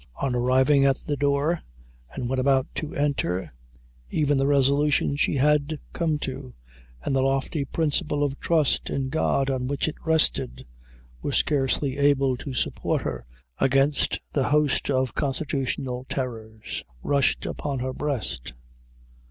On arriving at the door, and when about to enter, even the resolution she had come to, and the lofty principle of trust in God, on which it rested, were scarcely able to support her against the host of constitutional terrors, which, for a moment, rushed upon her breast.